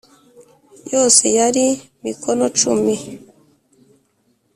yose yari mikono cumi